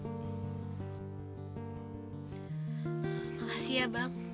makasih ya bang